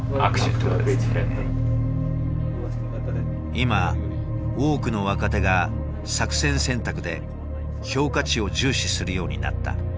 今多くの若手が作戦選択で評価値を重視するようになった。